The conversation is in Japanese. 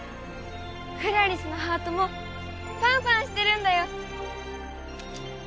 クラリスのハートもファンファンしてるんだよ。